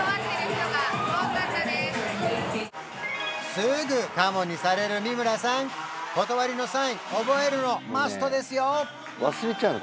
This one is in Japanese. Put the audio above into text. すぐカモにされる三村さん断りのサイン覚えるのマストですよ！